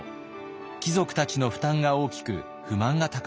貴族たちの負担が大きく不満が高まっていました。